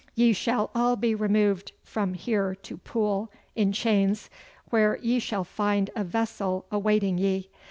Ye shall all be removed from here to Poole, in chains, where ye shall find a vessel awaiting ye.